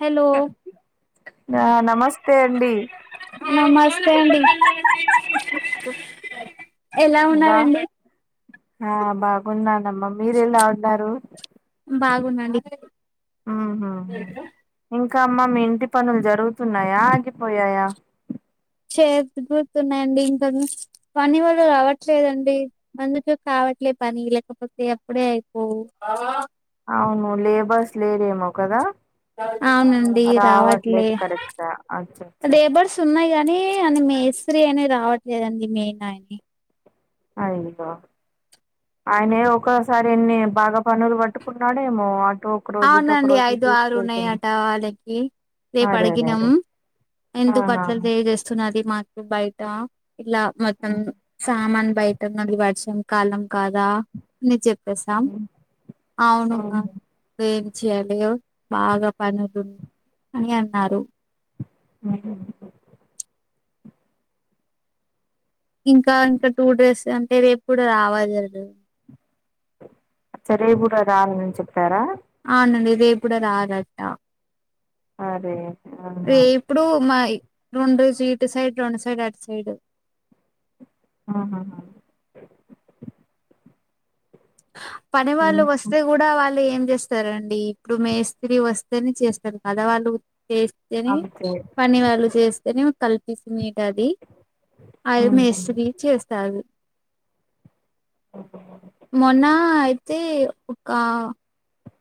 Hello ఆ నమస్తే అండి ఆ నమస్తే అండి ఎలా బా ఉన్నారండి ఆ బాగున్నానమ్మా మీరు ఎలా ఉన్నారు బాగునండి ఉహు ఇంకా అమ్మ మీ ఇంటి పనులు జరుగుతున్నాయా ఆగిపోయాయా చేగుతున్నాయండి ఇంకాను పని వాళ్ళు రావట్లేదండి అందుకే కావట్లే ట్లే పని లేకపోతే అప్పుడే అవుపోవు అవును లేబర్స్ లేరేమో కదా అవునండి రావట్లే రావట్లేదు కరెక్ట్ గా అచ్చ అచ్చ అచ్చ లేబర్స్ ఉన్నాయి గాని ని మేస్త్రీ అని రావట్లేదండి మైనాయనే అయ్యో ఆయనే ఒకేసారి ఎన్ని బాగా పనులు పట్టుకున్నాడేమో ఒక రోజు ఇటు ఒక అవునండి రోజు ఐదు ఆరు ఉన్నాయి తీసుకెళ్తున్నా అట వాళ్ళకి రేపు అరే అరే అడిగినం అరే ఎందుకు ఆహా అట్ల తెజేస్తున్నది మా బయట ఇలా మొత్తం ఉహు. సామాన్ బ పెట్నం వర్షం కాలం కాదా అని చెపేసాం అవును ఉహు. ఏం చేయాల బాగా పనులు అని అన్నారు ఉమ్ ఇంకా ఇంకా టూ డ్రేస్ అంటేరేపుకూడా రావాలి వాలు సరే ఇంకా రామని చెప్పారా అవునండి ఇదే ఇప్పుడు రార్రటా అరే అవునా ఇప్పుడు మా రెండు సీటు చీటు సైడ్ రెం సైడ్ అటు సైడ్ ఆహహహ పని వాళ్ళు వస్తే కూడా వాళ్ళు ఏం చేస్త చేస్తారండి ఇప్పుడు మేస్తీ వస్తేనే చేస్తారు కదా వాళ్ళు చేస్తేనే అంతే పని వాళ్లు చేస్తేనే కలిపిసిమె టది అది ఉమ్ మేస్త్రి చేస్తారు అఓ మొన్న అయితే ఒక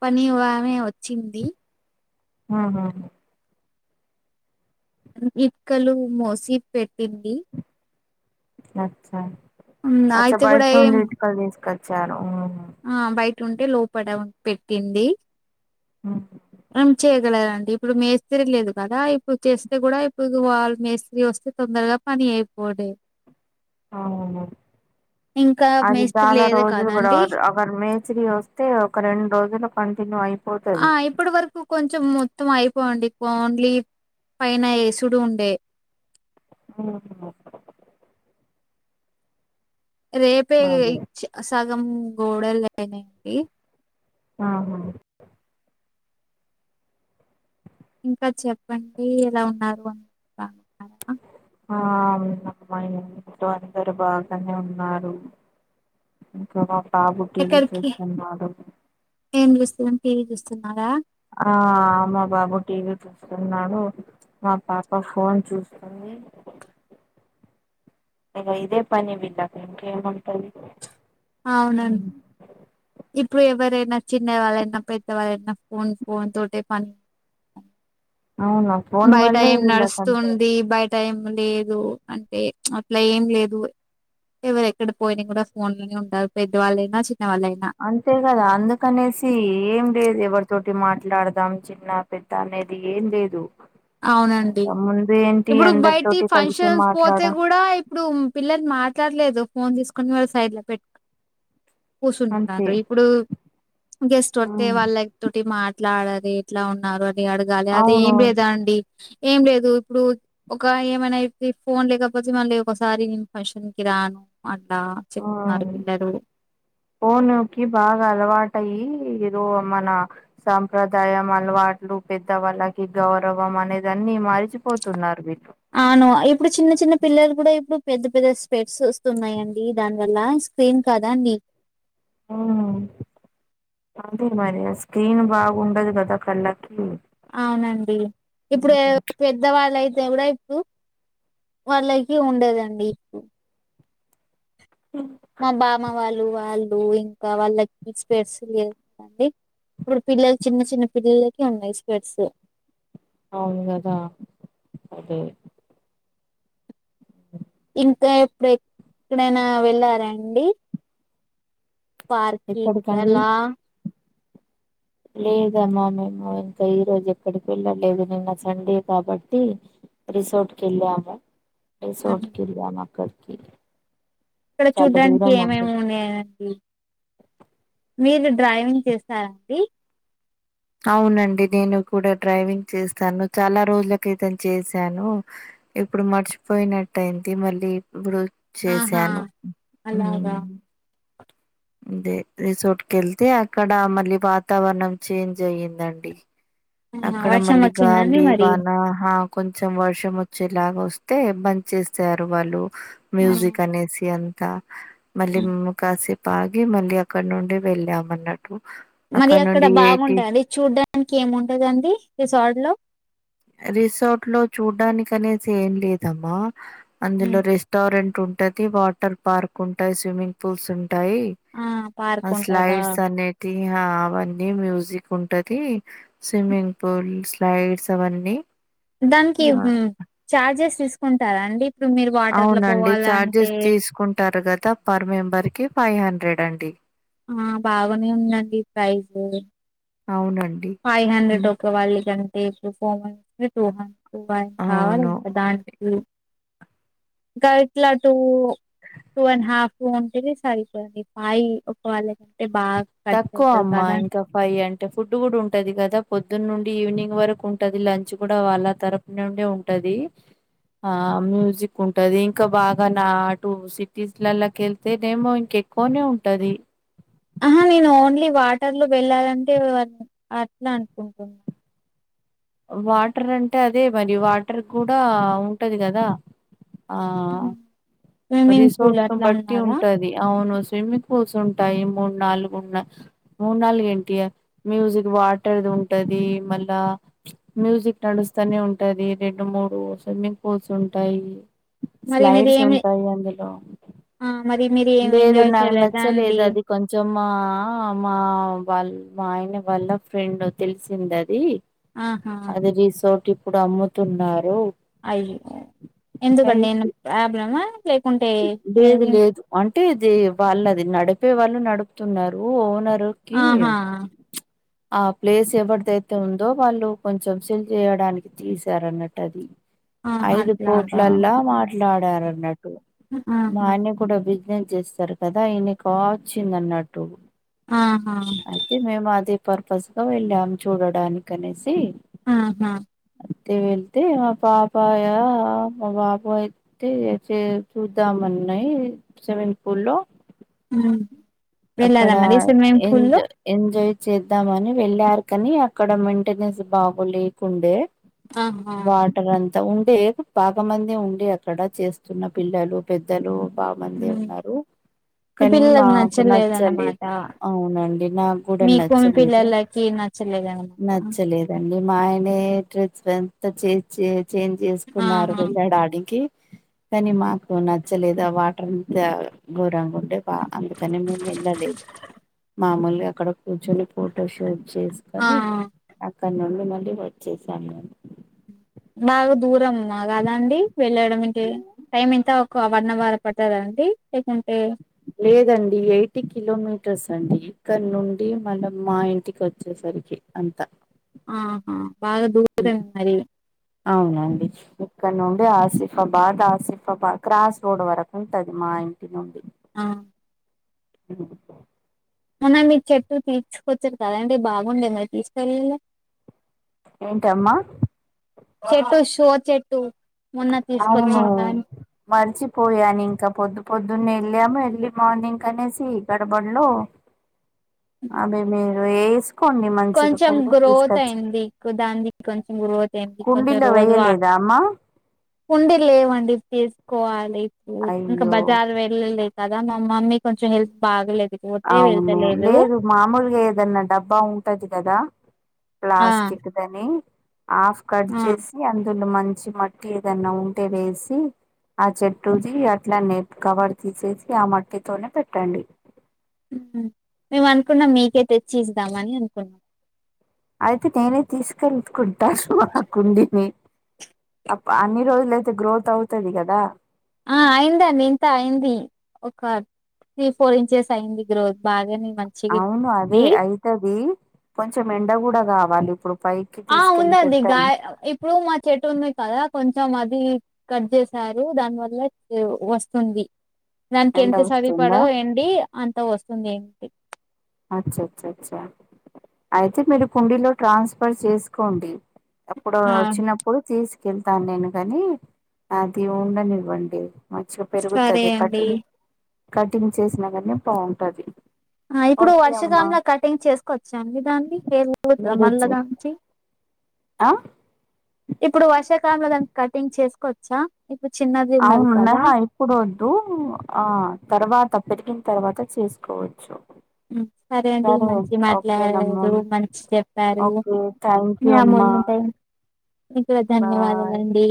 పని ఆమె వచ్చింది ఆహా ఇట్కలు మోసీ పెట్టింది అచ్చ అచ్చ అయితే బైట కూడా ఏం నుండి ఇటుకలు తీసుకచ్చారు ఆ బయట ఉంటే లోపడ పెట్టింది ఉమ్. చే దండి ఇప్పుడు మేస్త్రి లేదు కదా ఇప్పుడు చేస్తే కూడా ఇప్పుడు వాళ్ళ మేస్త్రి వస్తే తొందరగా పని అయిపోడే అవును ఇంకా అది మేస్త్రి చాలా లేదు రోజులు కూడా కదండి మర్ మేస్త్రి వస్తే ఒక రెండు రోజులు కంటిన్యూ అయి ఆ ఇప్పుడు వరకు కొంచెం మొత్తం అయిపోవండి ఓన్లీ పైన ఏసుడు ఉండే ఆ రేపే అదే సగం చ్ గోడలు అయినాయండి ఆహా ఇంకా చెప్పండి ఎలా ఉన్నారు అని బాన్నారా ఆ అవునమ్మా ఇంట్లో అందరు బాగానే ఉన్నారు ఇంకా మా బాబు టీవి ఎక్కడికి చూస్తున్నాడు ఏం టీవీ చూస్తున్నారా ఆ మా బాబు టీవీ చూస్తున్నాడు మా పాప ఫోన్ చూస్తుంది ది ఇగ ఇదే పని వీళ్లకి ఇంకేం ఉంటుంది అవునం ఇప్పుడు ఎవరై న చిన్న వాళ్ళైన పెద్ద వాళ్ళైన ఫోన్ ఫోన్ తోటె పని అవునా ఫోన్ బయట వల్లే ఎం వీళ్ళకంతే నడుస్తుంది బయట ఏం లేదు అంటే అట్లా ఏం లేదు ఎవరెక్కడ పోయిన కూడా ఫోన్ లోనే ఉంటారు పెద్దవాళ్ళైనా చి అంతే కదా అందుకనేసి ఏం లేదు ఎవరితో టి మాట్లాడదాం చిన్న పెద్ద అనేది ఏం లేదు అవునండి ముందు ఏంటి ఇప్పుడు బయటి అందరితోటి కలిసి ఫంక్షన్స్ పోతే మాట్లాడ కూడా ఇప్పుడు పిల్లలు మాట్లాడలేదు ఫోన్ తీసుకొని వాళ్ళ సైడ్ లో పెట్ అంతే కుర్సుంటున్నారు ఇప్పుడు గెస్ట్ వత్తే వాళ్ళ తోటి మాట్ ట్లడది ఎట్లా ఉన్నారు అని అడగాలి అది ఏం లేదం ఏం లేదు ఇప్పుడు ఒక ఏమైనా ఎప్పి ఫోన్ లేకపోతే మళ్ళీ ఒకసారి నేను ఫంక్షన్ కి రా రాన్ ఆ ఫోనుకి బాగా అలవాటయి యి ఏదో మన సాంప్రదాయం అలవాట్లు పెద్దవాళ్ళకి గౌరవం అనేద ని మరిచిపోతున్నారు వీళ్ళు అవును ఇప్పుడు చిన్న చిన్న పిల్లలు కూడా ఇప్పుడు పెద్ద పెద్ద స్పెట్స్ వస్తున్నాయండి దానివల్ల ఎం కాదండి అంతే మరి ఆ స్క్రీన్ బాగుండదు కదా కళ్ళకి అవునండి ఇప్పుడు పెద్దవాళ్ళయి తే కూడా ఇప్పుడు వాళ్ళకి ఉండదండి ఇప్పుడు మా బామ్మ వాళ్ళు వాళ్ళు ఇంకా వాళ్ళకి స్పెడ్స్ లేవు కాదండి ఇప్పుడు పిల్లలు చిన్న చిన్న పిల్లలకి ఉన్నాయి స్పీడ్స్ అవును కదా అదే ఇంకా ఎప్పుడు ఎక్కడైనా వెళ్ళారాండి పార్క్లకి ఎక్కడికండి అలా లేదమ్మా మేము ఇంకా, ఈ రోజు ఎక్కడికి వెళ్ళలేదు నిన్న సండే కాబట్టి రిసోర్ట్ కెలము, రిసోట్ ఆహా. కి వెల్లము అక్కడికి ఇక్కడ చాలా చూడ్డానికి దూరం ఉండే ఏమేమి ఉన్నాయండి. మీరు డ్రైవింగ్ చేస్తారా అండీ అవునండి నేను కూడా డ్రైవింగ్ చేస్తాను చాలా రోజులకితం చేశాను, ఇప్పుడు మర్చిపోయినట్టు అయింది మళ్ళీ ఇప్పుడు ఆహా చేశాను అలాగా దే రిసార్ర్ట్ వెళ్తే అక్కడ మళ్ళీ వాతావరణం చేంజ్ అయ్యందండి ఆహా, అక్కడ వర్షం మళ్ళ వచ్చిందండి గాలి మరి వాన కొంచెం వర్షం వచ్చేలాగా వస్తే బంద చేసారు వాళ్ళు ఆ, మ్యూజిక్ అనేసి అంత మళ్ళ కాసి పాాగి మళ్ళీ అక్కడ నుండి వెళ్ళామ అన్నట్టు మరి అక్కడ నుండి ఎయిటీ బాగుంటంది అది చూడ్డానికి ఏముంటదండి రిసార్ట్ లో రిసార్ట్ లో చూడ్డానికి అనేసి ఏం లేదమ్మా అందులో ఉమ్, రెస్టారెంట్ ఉంటది వాటర్ పార్క్ ఉంటాయి స్విమ్మింగ్ పూల్స్ టాయి ఆ పార్క్ ఉంటదా స్లాయిడ్స్ అనేటి అవన్నీ మ్యూజిక్ ఉంటది స్విమ్మింగ్ పూల్ స్లైడ్స్ అన్ని దానికి చార్జెస్ తీసుకుంటారా అండి ఇప్పుడు మీరు వాటర్ లో అవునండి పోవాలంటే చార్జెస్ తీసుకుంటారు కదా పర్ మెంబర్ కి ఫైవ్ హండ్రెడ్ అండి ఆ బాగానే ఉందండి ప్రైజ్ అవునండి ఫైవ్ హండ్రెడ్ ఉమ్, ఒక వాళ్ళ కంటే ఇప్పుడు ఫోర్ మ టూ హండ్రె కావాలి అవును ఇంకా దానికి ఇంకా ఎట్లాటు నువ్వు టూ అండ్ హాఫ్ ఉంటేది సరిపోయింది పాయి్ ఒక వాళ్ళ తక్కువ అమ్మా ఇంకా ఫై అంటే ఫుడ్ కూడా ఉంటు ఉంటది కదా పొద్దున్న నుండి ఈవినింగ్ వరకు ఉంటది లంచ్ కూడా వాళ్ళ తరపు నుండి ఉంటది ఆ మ్యూజిక్ ఉంటది ఇంకా బాగా నా అటు సిటీస్లలాకెళ్తేనేేమో ఇంక ఎక్కువనే ఉంటది ఆహా నేను ఓన్లీ వాటర్ లో వెళ్ళాలంటే అట్లా అనుకుంటున్నా వాటర్ అంటే అదే మరి వాటర్ కూడా ఉంటది కదా ఆ. స్విమ్మింగ్ పూల్ రిసార్ట్ ను అట్లా బట్టి ఉన్నారా ఉంటది అవును స్విమ్మింగ్ పూల్స్ ఉంటాయి మూడు నాలుగు ఉన్న మూడు నాలుగు ఏంటి మ్యూజిక్ వాటర్ ఉంటది మళ్ళా మ్యూజిక్ నడుస్తూనే ఉంటది రెండు మూడు స్విమ్మింగ్ పూల్స్ ఉంటాయి మరి మీరు స్లైడ్స్ ఏమి ఉంటాయి అందులో ఆ, మరి మీరు ఏమి లేదు ఎంజాయ్ నాకు చేయలేదా అండి నచ్చలేదు అది కొంచెం మా మా వాళ్ళ మా ఆయన వాళ్ళ ఫ్రెండ్ తెలిసింద అది ఆహా అది రీసోర్ట్ ఇప్పుడు అమ్ముతున్నారు అయ్యో ఎందుకండి నన్న ప్రాబ్లమా లేకుంటే అంటేది వాళ్ళు అది నడిపే వాళ్ళు నడుపుతున్నారు ఓనర్ డుకి ఆహా ఆ ప్లేస్ ఎవరిదైతే ఉందో వాళ్ళు కొంచెం సెల్ చేయడానికి తీసార అన్నట్టు అది ఆహా ఐదు అట్లాగా కోట్లలా మాట్లాడారున్నట్టు ఆహా మని కూడా బి చేస్తారు కదా ఈయనకు వచ్చింది అన్నట్టు ఆహా అయితే మేము అదే పర్పస్ గా వెళ్ళాము చూడడానికి అనేసి ఆహా వెళ్తే మా పాప ఏమో మా బాబా అయితే ఇలా చూద్దామన్నాయి స్విమ్మింగ్ పూలో అక్కడ వెళ్ళారన్నది స్విమ్మింగ్ పూల్ ఎంజ లో ఎంజాయ్ చేద్దామని వెళ్ళారు కానీ అక్కడ మెయింటెనెన్స్ బాగో లేకుండే ఆహా అ ఉండే బాగా మంది ఉండే అక్కడ చేస్తున్న పిల్లలు పెద్దలు చాలా మంది హ్మ్. ఉన్నారు మీ కానీ పిల్లలకి నాకు నచ్ నచ్చలేదన్నమాట చ్చలేదు అవునండి నాకు కూడా మీకు మీ నచ్చలేదు పిల్లలకి నచ్చలేదన్నమాట నచ్చలేదం డి మా ఆయనే డ్రెస్ ఎంత చే చేంజ్ చేసుకున్నారు ఆహా వెలడానికే కానీ మాకు నచ్చలేదా ఆ వాటర్ ఘోరంగా ఉంటే బా అందుకని మే మామూలుగా అక్కడ కూర్చొని ఫోటో షూట్ ఆ చేసుకొని అక్కడ నుండి మళ్ళీ వచ్చేసాము బాగా దూరమ్మా కదండి వెళ్ళడంకి టైం ఎంత ఒక వన్ అవర్ పడతదాఅండి లేకుంటే లేదండి ఎయిటీ కిలోమీటర్స్ అండి ఇక్కడ నుండి మనం మా ఇంటికి వచ్చేస రికి అంత ఆహా బాగా దూరం మరి అవునండి ఇక్కడ్నున్ అదే ఆసిఫాబాద్ ఆసిఫాబాద్ క్రాస్ రోడ్ వరకు ఉంటది మా ఇంటి నుండి ఆ ఇ మొన్న మీ చెట్టు తీర్చుకొచ్చారు కదండి బాగుండే మీరు తీసుకోలేదు ఏంటమ్మా చెట్టు షో చెట్టు మొన్న అవును తీసుకొచ్చిన కానీ మరిచిపోయాను ఇంకా పొద్దు పొద్దు నే వెళ్ళాము ఎర్లీ మార్నింగ్ అనేసి గడబడలో అవి వేసుకోండి మంచిగా కొంచెం కుండ గ్రోత్ తీసుకొచ్చి ఏందీ కొని కుండీలో రోజుల వేయలేదా అమ్మా కుండ లేవండి ఇ తీసుకోవాలి ఇప్పుడు ఇంకా అయ్యో బజార్ వెళ్ళలే కదా మామ్మమ్మీ కొంచెం హెల్ప్ బాగలే అవును లేదు మామూలుగా ఏదన్నా డబ్బా ఉంటది కదా ఆ ప్లాస్టిక్ దని హాఫ్ కట్ ఆ చేసి అందు డు మంచి మట్టి ఏదన్నా ఉంటే వేసి ఆ చెట్టుది అట్లా నే కవర్ తీసేసి ఆ మట్టితోనే పెట్టండి మేము అనుకున్నాం మీకే తెచ్చి ఇద్దామని అనుకున్నాం అయితే నేనే తీసుకెళ్తుకుంటా మా కుండని అన్ని రోజులు అయితే గ్రోత్ అవుతది కదా ఆ అయిందండి ఇంత అయింది ఒక త్రీ ఫోర్ ఇంచెస్ అయింది గ్రోత్ బాగానే మంచిగా అవును అదే ఉంది అవుతది కొంచెం ఎండ కూడా కావాలి ఇప్పుడు పైకి ఆ తీసుకెళ్ళి ఉందండి గా పెట్టండి ఇప్పుడు మా చెట్టు ఉన్నాయి కదా కొంచెం అది కట్ చేసారు దాని వల్ల వస్తుంది దానికి ఎండ ఎంత సరిపడ వస్తుందా ఎండి అంత వస్తుంది ఏంటి అచ్చచ్చచ్చ అయితే మీరు కుండీలో ట్రాన్స్ఫర్ చేసుకోండి అప్పుడు ఆ! వచ్చినప్పుడు తీస్ కెళ్తాను నేను గని అది ఉండనివ్వండి మంచిగా సరే పెరుగుతది అండి. కటింగ్ కటింగ్ చేసినా గాని బాగుంటది ఆ ఇప్పుడు ఓకే అమ్మా వర్షకాలంలో కటింగ్ చేసుకోవచ్చాండి దాన్ని వేర్లు మీరే మళ్ళ చే దంచి ఆ ఇప్పుడు వర్షాకాలంలో దానికి కటింగ్ చేసుకోచ్చా అవునున్నా హ ఇప్పుడు వద్దు ఆ తర్వాత పెరిగిన తర్వాత చేసుకోవచ్చు సరే అండి మంచిగ మాట్లాడారు మంచి చెప్పారు ఓకే థ్యాంక్ యూ అమ్మా మీకుడా బాయ్ ధన్యవాదాలండి